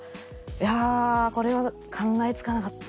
「いやこれは考えつかなかったわ」みたいな。